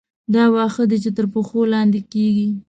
دا واښه دي چې تر پښو لاندې کېږي.